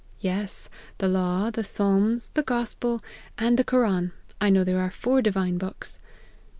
" l Yes ! the law, the psalms, the gospel, and the koran. I know there .are four divine books.'